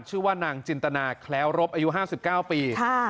ชื่อว่านางจินตนาแคล้วรบอายุ๕๙ปี